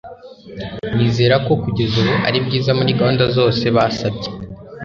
nizera ko kugeza ubu aribyiza muri gahunda zose basabye